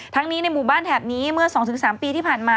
นี้ในหมู่บ้านแถบนี้เมื่อ๒๓ปีที่ผ่านมา